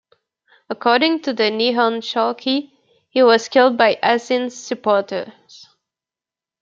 According to the "Nihon Shoki", he was killed by Asin's supporters.